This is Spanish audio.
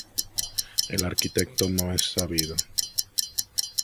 El arquitecto no es sabido.